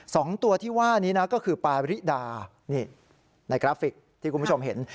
สองตัวที่ว่านี้นะก็คือปาริดานี่ในกราฟิกที่คุณผู้ชมเห็น